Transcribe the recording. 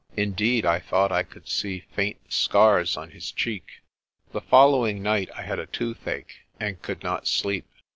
Indeed, I thought I could see faint scars on his cheek. The following night I had a toothache, and could not sleep.